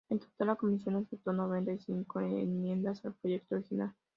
En total, la Comisión aceptó noventa y cinco enmiendas al proyecto original.